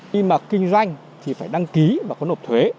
khi mà kinh doanh thì phải đăng ký và có nộp thuế